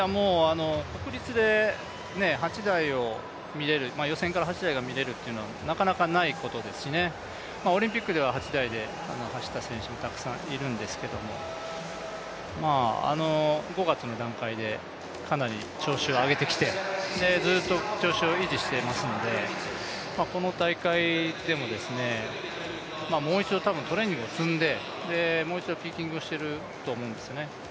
国立で、予選から８台を見られるというのはなかなかないことですし、オリンピックでは８台で走った選手たくさんいるんですけど５月の段階でかなり調子を上げてきてずっと調子を維持していますのでこの大会でももう一度たぶんトレーニングを積んで、もう一度ピーキングをしていると思うんですね。